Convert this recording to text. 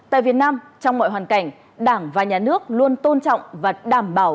tại việt nam trong mọi hoàn cảnh đảng và nhà nước luôn tôn trọng và đảm bảo